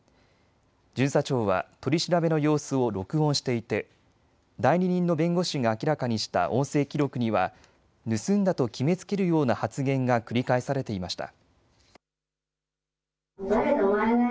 巡査長は取り調べの様子を録音していて、代理人の弁護士が明らかにした音声記録には盗んだと決めつけるような発言が繰り返されていました。